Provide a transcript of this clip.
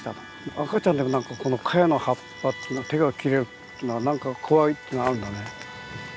赤ちゃんでもこのカヤの葉っぱ手が切れるっていうのが何か怖いっていうのがあるんだね。